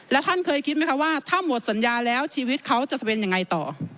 แล้วท่านเคยคิดไหมคะว่าถ้าหมดสัญญาแล้วชีวิตเขาจะเป็นยังไงต่อ